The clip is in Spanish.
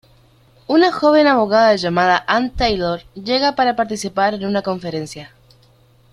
Una joven abogada llamada Ann Taylor llega para participar en una conferencia.